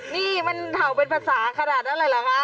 นี่มันเถาเป็นภาษาขนาดอะไรหรือคะ